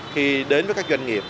khi đến với các doanh nghiệp